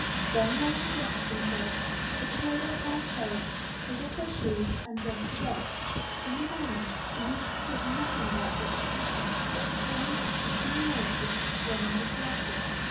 Then they undressed themselves, put away their fine clothes, pulled off their shoes and went to bed. In the morning the youth said nothing about what had happened, but determined to see more of this strange adventure.